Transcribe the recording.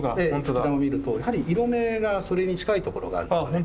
吹玉を見るとやはり色めがそれに近いところがあるんですよね。